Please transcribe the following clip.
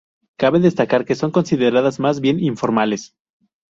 Cabe destacar que son consideradas más bien informales.